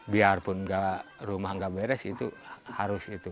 biarpun rumah nggak beres itu harus itu